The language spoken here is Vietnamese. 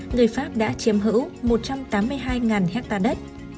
người pháp đã chiếm hữu một trăm tám mươi hai hectare đất